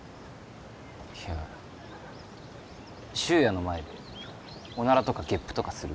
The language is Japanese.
いや修哉の前でおならとかゲップとかする？